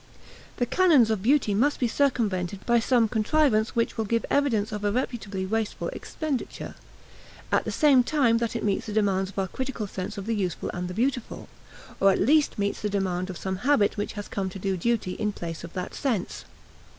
The canons of beauty must be circumvented by some contrivance which will give evidence of a reputably wasteful expenditure, at the same time that it meets the demands of our critical sense of the useful and the beautiful, or at least meets the demand of some habit which has come to do duty in place of that sense.